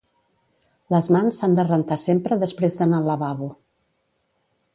Les mans s'han de rentar sempre despres d'anar al lavabo